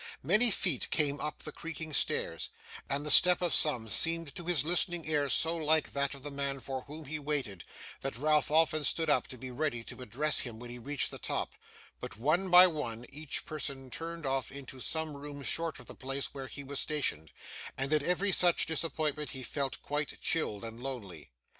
Many feet came up the creaking stairs; and the step of some seemed to his listening ear so like that of the man for whom he waited, that Ralph often stood up to be ready to address him when he reached the top; but, one by one, each person turned off into some room short of the place where he was stationed: and at every such disappointment he felt quite chilled and lonely.